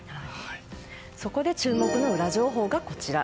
そこで、注目のウラ情報がこちら。